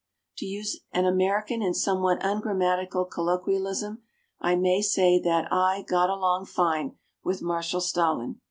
To use an American and somewhat ungrammatical colloquialism, I may say that I "got along fine" with Marshal Stalin.